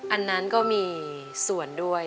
อันนั้นก็มีส่วนด้วย